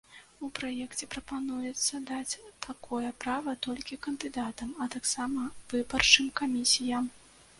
У праекце прапануецца даць такое права толькі кандыдатам, а таксама выбарчым камісіям.